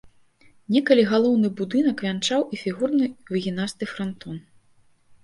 Некалі галоўны будынак вянчаў і фігурны выгінасты франтон.